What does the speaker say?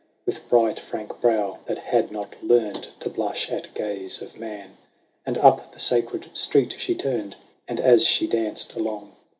With bright, frank brow that had not learned to blush at gaze of man : And up the Sacred Street she turned, and, as she danced along.